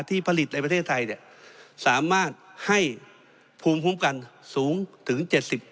ที่ผลิตในประเทศไทยสามารถให้ภูมิคุ้มกันสูงถึง๗๐